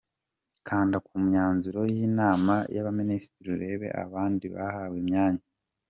Kanda ku myanzuro y’ inama y’ abaminisitiri urebe abandi bahawe imyanya.